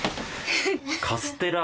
カステラ。